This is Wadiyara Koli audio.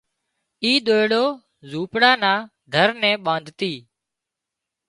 اي ۮوئيڙو زونپڙا نا در نين ٻانڌتي